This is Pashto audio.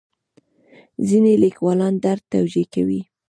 ځینې لیکوالان درد توجیه کوي.